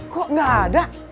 kok nggak ada